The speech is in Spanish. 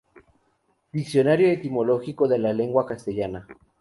Diccionario etimológico de la lengua castellana.